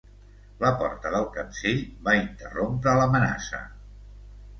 La porta del cancell va interrompre l'amenaça.